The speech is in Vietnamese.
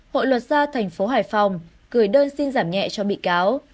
hội luật gia tp hải phòng gửi đơn xin giảm nhẹ cho bị cáo